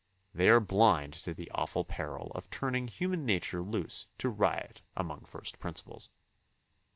They are blind to the awful peril of turning human nature loose to riot among &st principles.